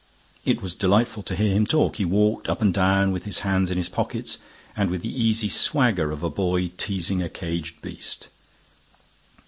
It was delightful to hear him talk. He walked up and down, with his hands in his pockets and with the easy swagger of a boy teasing a caged beast.